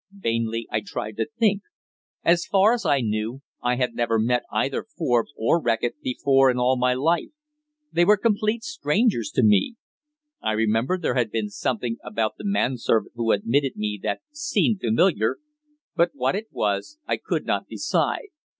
Vainly I tried to think. As far as I knew, I had never met either Forbes or Reckitt before in all my life. They were complete strangers to me. I remembered there had been something about the man servant who admitted me that seemed familiar, but what it was, I could not decide.